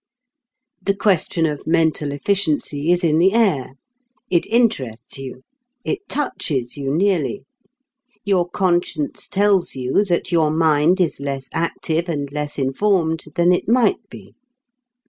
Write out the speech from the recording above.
The question of mental efficiency is in the air. It interests you. It touches you nearly. Your conscience tells you that your mind is less active and less informed than it might be.